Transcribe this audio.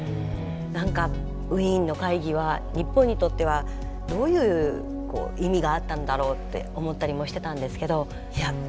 何かウィーンの会議は日本にとってはどういう意味があったんだろうって思ったりもしてたんですけどいや